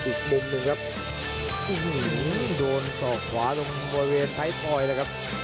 อีกมุมหนึ่งครับโดนสอกขวาตรงบริเวณไทยทอยแล้วครับ